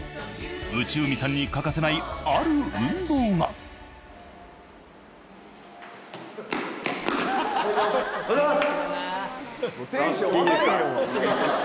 内海さんに欠かせないある運動がおはようございます。